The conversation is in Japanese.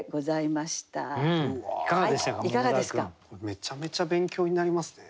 めちゃめちゃ勉強になりますね。